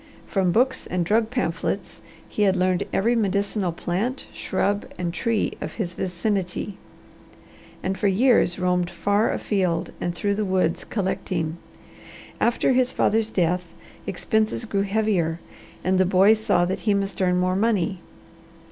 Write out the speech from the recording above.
From books and drug pamphlets he had learned every medicinal plant, shrub, and tree of his vicinity, and for years roamed far afield and through the woods collecting. After his father's death expenses grew heavier and the boy saw that he must earn more money.